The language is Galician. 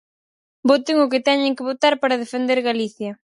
Voten o que teñen que votar para defender Galicia.